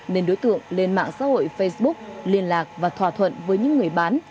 nên đối tượng lên mạng xã hội facebook liên lạc và thỏa thuận với những người bán